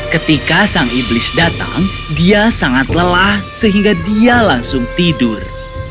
ketika sang iblis datang dia sangat lelah sehingga dia langsung tidur